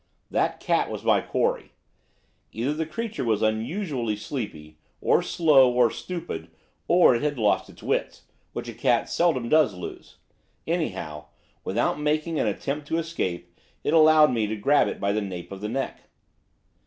That cat was my quarry. Either the creature was unusually sleepy, or slow, or stupid, or it had lost its wits which a cat seldom does lose! anyhow, without making an attempt to escape it allowed me to grab it by the nape of the neck.